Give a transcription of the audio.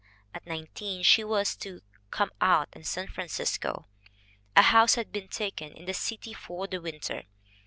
At nineteen she was to "come out" in San Francisco. A house had been taken in the city for the winter.